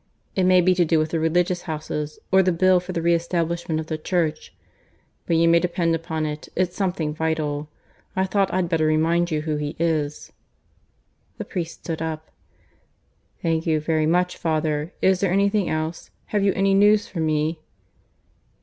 It may be to do with the Religious Houses; or the Bill for the re establishment of the Church. But you may depend upon it, it's something vital. I thought I'd better remind you who he is." The priest stood up. "Thank you very much, father. Is there anything else? Have you any news for me?"